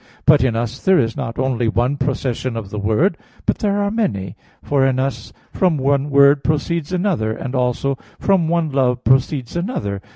But in us there is not only one procession of the word, but there are many: for in us from one word proceeds another; and also from one love proceeds another.